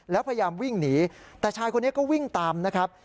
แล้วพยายามวิ่งหนีแต่ชายคนนี้ก็วิ่งตามนะครับ